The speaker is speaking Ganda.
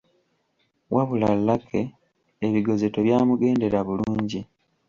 Wabula Lucky ebigezo tebyamugendera bulungi.